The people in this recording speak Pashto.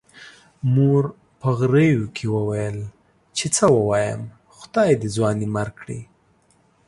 مور په غريو کې وويل چې څه ووايم، خدای دې ځوانيمرګ کړي.